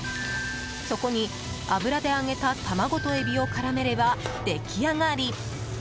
そこに油で揚げた卵とエビを絡めれば出来上がり。